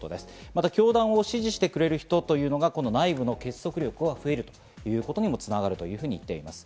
また教団を支持してくれる人というのが内部の結束力が増えるということにもつながると言っています。